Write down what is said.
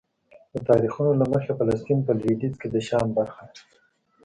د تاریخونو له مخې فلسطین په لویدیځ کې د شام برخه ده.